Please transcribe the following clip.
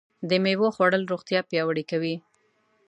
د مېوو خوړل روغتیا پیاوړې کوي.